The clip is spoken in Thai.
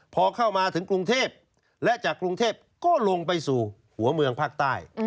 พอเข้ามาถึงกรุงเทพและจากกรุงเทพก็ลงไปสู่หัวเมืองภาคใต้